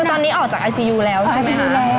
คือตอนนี้ออกจากไอซียูแล้วใช่ไหมคะ